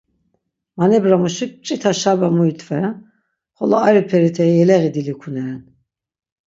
Manebramuşik mç̌ita şarba muitveren, xolo ari perite yeleği dilikuneren.